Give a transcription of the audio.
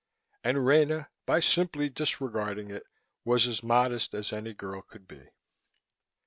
And Rena, by simply disregarding it, was as modest as any girl could be.